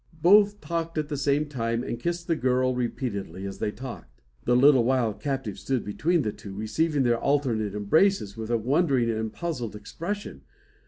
Both talked at the same time, and kissed the girl repeatedly as they talked. The little wild captive stood between the two, receiving their alternate embraces with a wondering and puzzled expression.